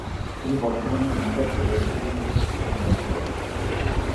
তিনি বর্তমানে impact wrestling এর সাথে যুক্ত আছেন।